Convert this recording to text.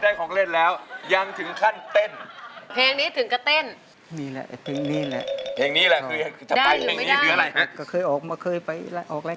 นอกจากจะแสดงของภาคหน้าตายังเหมือนเด็กได้ของเล่นแล้ว